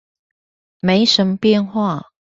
沒什麼變化